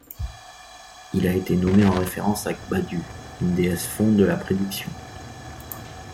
Il a été nommé en référence à Gbadu, une déesse fon de la prédiction.